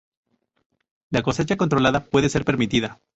La cosecha controlada puede ser permitida.